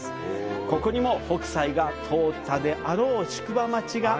ここにも北斎が通ったであろう宿場町が。